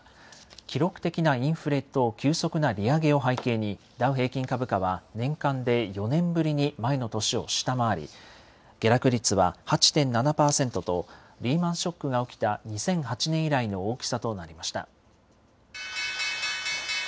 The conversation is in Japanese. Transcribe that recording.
記録的なインフレと急速な利上げを背景に、ダウ平均株価は年間で４年ぶりに前の年を下回り、下落率は８．７％と、リーマンショックが起きた２００８年以来の大きさとなりました。